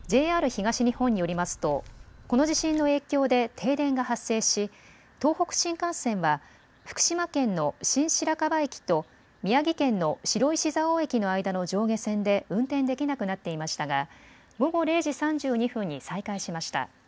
ＪＲ東日本によりますとこの地震の影響で停電が発生し東北新幹線は福島県の新白河駅と宮城県の白石蔵王駅の間の上下線で運転できなくなっていましたが午後０時３２分に再開しました。